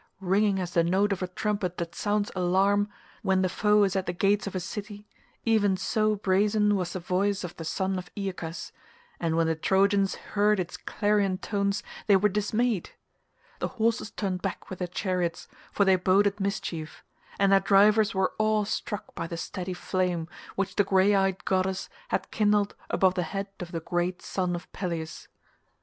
Ringing as the note of a trumpet that sounds alarm then the foe is at the gates of a city, even so brazen was the voice of the son of Aeacus, and when the Trojans heard its clarion tones they were dismayed; the horses turned back with their chariots for they boded mischief, and their drivers were awe struck by the steady flame which the grey eyed goddess had kindled above the head of the great son of Peleus.